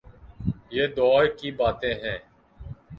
یہ دور کی باتیں ہیں۔